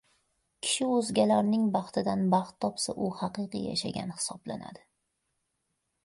Kishi o‘zgalarning baxtidan baxt topsa, u haqiqiy yashagan hisoblanadi.